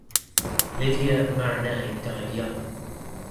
Lydia Marinelli died young.